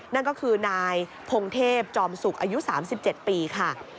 นั่นก็คือนายพงเทพจอมสุกอายุ๓๗ปีค่ะ